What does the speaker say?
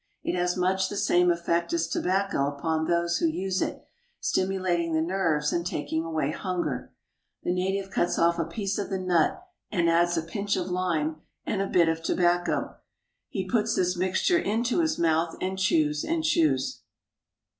It has much the same effect as tobacco upon those who use it, stimulating the nerves and taking away hunger. The native cuts off a 1 86 INDO CHINA piece of the nut, and adds a pinch of lime and a bit of to bacco. He puts this mixture into his mouth, and chews and chews.